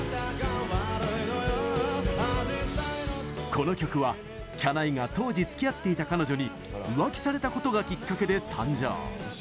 この曲は、きゃないが当時つきあっていた彼女に浮気されたことがきっかけで誕生。